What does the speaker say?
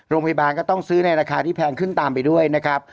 โรงพยาบาลก็ต้องซื้อในราคาที่แพงขึ้นตามไปด้วยนะครับ